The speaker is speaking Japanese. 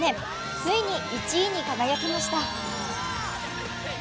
ついに１位に輝きました。